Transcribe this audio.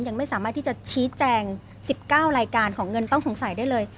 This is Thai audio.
ยังไม่สามารถที่จะชี้แจง๑๙รายการของเงินต้องสงสัยได้เลย